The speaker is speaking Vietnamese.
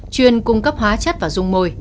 hai đối tượng cầm đầu